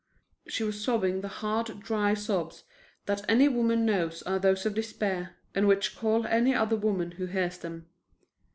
She was sobbing the hard, dry sobs that any woman knows are those of despair, and which call any other woman who hears them.